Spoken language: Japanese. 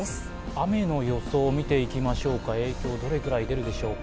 雨の予想を見ていきましょうか、影響、どれぐらい出るでしょうか？